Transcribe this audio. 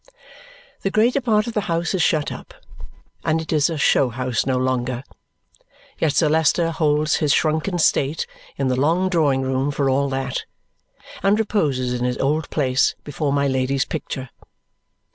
The greater part of the house is shut up, and it is a show house no longer; yet Sir Leicester holds his shrunken state in the long drawing room for all that, and reposes in his old place before my Lady's picture.